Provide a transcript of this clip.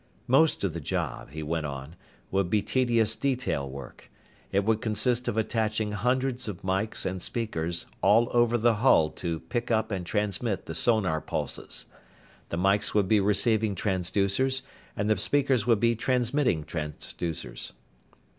Most of the job, he went on, would be tedious detail work. It would consist of attaching hundreds of mikes and speakers all over the hull to pick up and transmit the sonar pulses. The mikes would be receiving transducers and the speakers would be transmitting transducers.